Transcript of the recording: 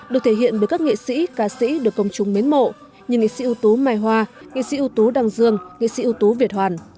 được thể hiện bởi các nghệ sĩ ca sĩ được công chúng mến mộ như nghệ sĩ ưu tú mai hoa nghệ sĩ ưu tú đăng dương nghệ sĩ ưu tú việt hoàn